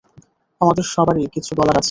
আমাদের সবারই কিছু বলার আছে!